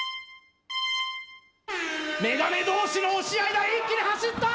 メガネ同士の押し合いだ一気に走った！